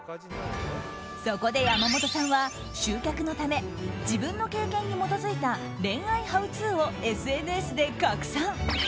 そこで、山本さんは集客のため自分の経験に基づいた恋愛ハウツーをＳＮＳで拡散。